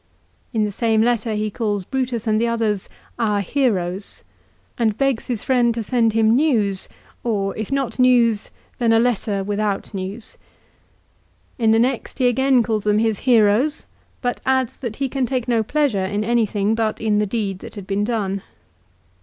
In the same letter he calls Brutus and the others, " our heroes," and begs his friend 218 LIFE OF CICERO. to send him news, or if not news, then a letter without news. 1 In the next he again calls them his heroes, but adds that he can take no pleasure in anything but in the deed that had been done.